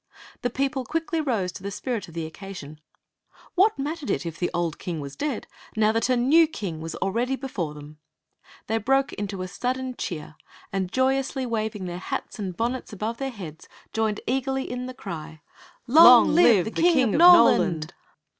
The people quickly rose to the spirit of the occa sion. What mattered it if the old king was dead, now that a new king was already before them ? They broke into a sudden cheer, and, joyously waving their hats and bonnets above their heads, joined eagerly in the cry: " Long live the King of Noland